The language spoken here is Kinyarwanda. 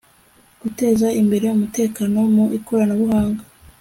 guteza imbere umutekano mu ikoranabuhanga